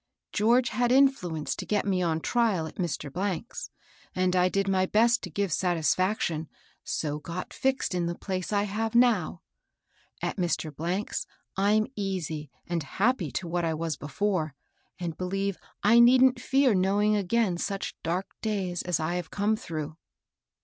George had influence to get me on trial at Mr. 's, and I did my best to give satisfaction, so got fixed in the place I have now. At Mr. 's I'm easy and happy to what I was before, and beheve I needn't fear knowing again such dark days as I have come through."